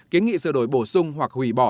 kiến nghị sơ đổi bổ sung hoặc hủy bỏ